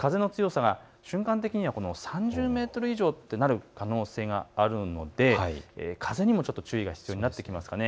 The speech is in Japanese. その風の強さが瞬間的には３０メートル以上となる可能性があるので風にも注意が必要になってきます。